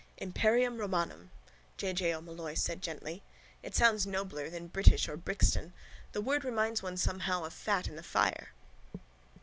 —Imperium romanum, J. J. O'Molloy said gently. It sounds nobler than British or Brixton. The word reminds one somehow of fat in the fire.